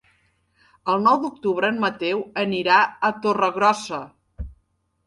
El nou d'octubre en Mateu anirà a Torregrossa.